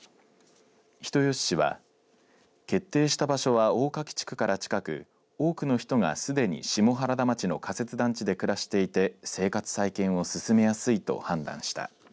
人吉市は決定した場所は大柿地区から近く多くの人がすでに下原田町の仮設団地で暮らしていて生活再建を進めやすいと判断した。